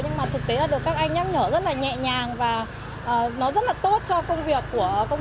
nhưng mà thực tế là được các anh nhắc nhở rất là nhẹ nhàng và nó rất là tốt cho công việc của công ty